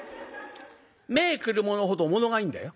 目ぇくるものほど物がいいんだよ。